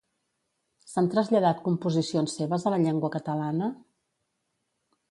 S'han traslladat composicions seves a la llengua catalana?